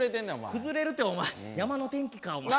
崩れるてお前山の天気かお前。